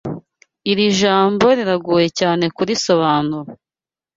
Iri jambo riragoye cyane kurisobanura.